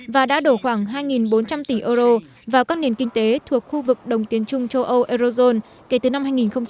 và đã đổ khoảng hai bốn trăm linh tỷ euro vào các nền kinh tế thuộc khu vực đồng tiến trung châu âu eurozone kể từ năm hai nghìn một mươi